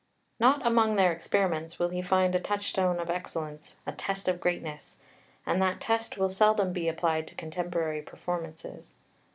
Not among their experiments will he find a touchstone of excellence, a test of greatness, and that test will seldom be applied to contemporary performances.